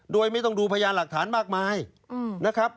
โดยไม่ต้องดูพยานหลักฐานมากมายนะครับ